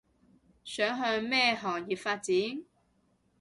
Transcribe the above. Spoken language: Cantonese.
想向咩行業發展